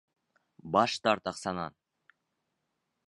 Баш тарт аҡсанан!